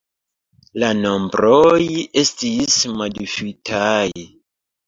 La nombroj estis modifitaj.